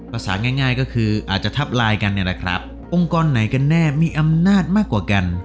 ง่ายง่ายก็คืออาจจะทับลายกันเนี่ยแหละครับองค์กรไหนกันแน่มีอำนาจมากกว่ากัน